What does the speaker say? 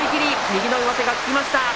右の上手が効きました。